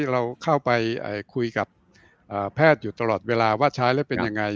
เราเข้าไปคุยกับแพทย์อยู่ตลอดเวลาว่าใช้แล้วเป็นยังไง